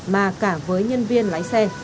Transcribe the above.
mà cả với nhân viên lái xe